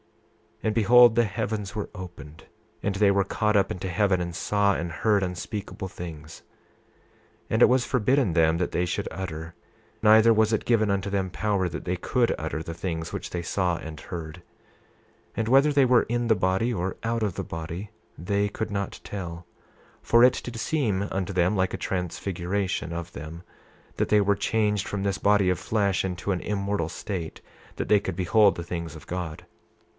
28:13 And behold, the heavens were opened, and they were caught up into heaven, and saw and heard unspeakable things. 28:14 And it was forbidden them that they should utter; neither was it given unto them power that they could utter the things which they saw and heard; 28:15 And whether they were in the body or out of the body, they could not tell; for it did seem unto them like a transfiguration of them, that they were changed from this body of flesh into an immortal state, that they could behold the things of God.